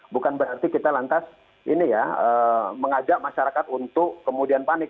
bukan berarti kita lantas ini ya mengajak masyarakat untuk kemudian panik